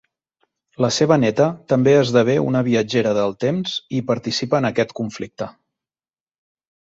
La seva neta també esdevé una viatgera del temps i participa en aquest conflicte.